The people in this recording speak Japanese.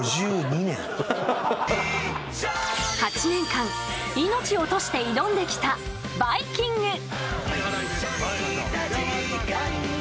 ８年間、命を賭して挑んできた「バイキング」。